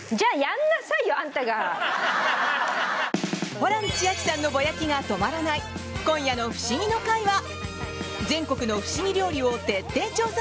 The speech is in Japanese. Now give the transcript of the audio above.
ホラン千秋さんのぼやきが止まらない今夜の「フシギの会」は全国のフシギ料理を徹底調査